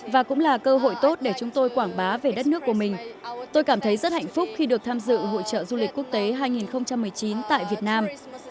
và cũng là cơ hội tốt để chúng tôi quảng bá về đất nước của mình tôi cảm thấy rất hạnh phúc khi được tham dự hội trợ du lịch quốc tế hai nghìn một mươi chín tại việt nam